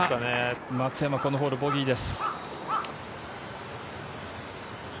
松山、このホール、ボギーです。